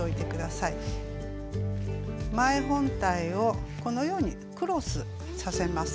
前本体をこのようにクロスさせます。